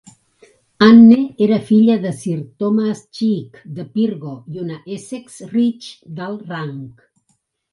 Anne era filla de Sir Thomas Cheeke de Pirgo i una Essex Rich d'alt rang.